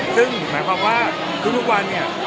ซึ่งหมายความว่าทุกวันเนี่ย